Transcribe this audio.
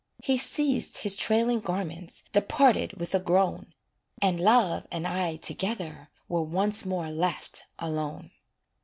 He seized his trailing garments, Departed with a groan, And love and I together Were once more left alone.